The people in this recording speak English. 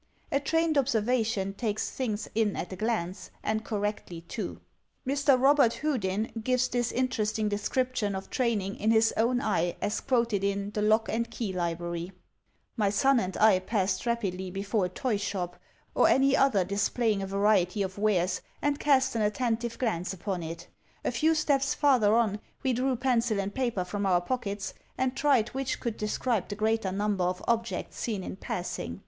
A trained observation takes things in at a glance, and correctly, too. EVIDENCE ' 269 M. Robert Houdin gives this interesting description of training his own eye, as quoted in "The Lock and Key Library:" "My son and I passed rapidly before a toy shop, or any other displaying a variety of wares, and cast an attentive glance upon it. A few steps farther on we drew pencil and paper from our pockets, and tried which could describe the greater number of objects seen in passing.